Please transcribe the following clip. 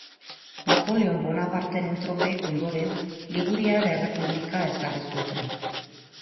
Napoleon Bonaparteren tropek ondoren Liguriar Errepublika ezarri zuten.